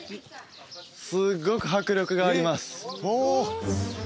すごく迫力がありますお！